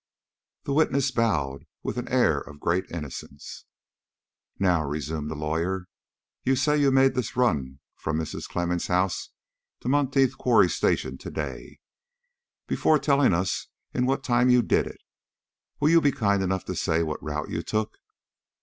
The witness bowed with an air of great innocence. "Now," resumed the lawyer, "you say you made a run from Mrs. Clemmens' house to Monteith Quarry Station to day. Before telling us in what time you did it, will you be kind enough to say what route you took?"